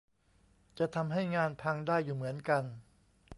จะทำให้งานพังได้อยู่เหมือนกัน